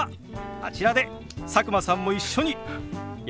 あちらで佐久間さんも一緒にやってみましょう！